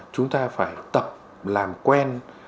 chúng ta phải tập làm quen